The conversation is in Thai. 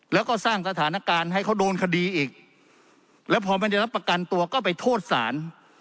แล้วก็สร้างสถานการณ์ให้เขาโดนคดีอีกแล้วพอไม่ได้รับประกันตัวก็ไปโทษศาล